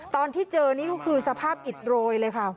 ตอนที่เจอนี่ก็คือสภาพอิดโรยเลยค่ะ